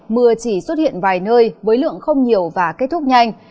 mưa chỉ xuất hiện vài nơi với lượng không nhiều và kết thúc nhanh